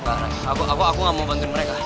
enggak rai aku gak mau bantuin mereka